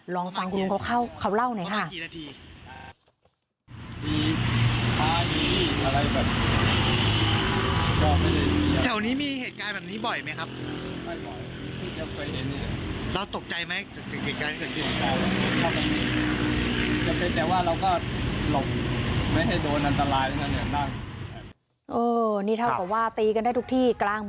ลองฟังคุณลุงเขาเล่าหน่อยค่ะ